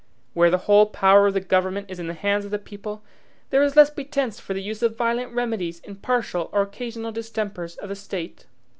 Where the whole power of the government is in the hands of the people, there is the less pretense for the use of violent remedies in partial or occasional distempers of the State.